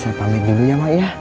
saya pamit dulu ya mak ya